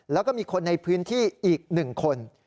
แล้วก็มีคนในพื้นที่อีก๑คน